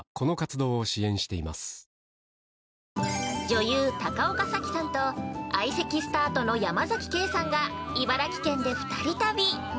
◆女優・高岡早紀さんと相席スタートの山崎ケイさんが茨城県で２人旅。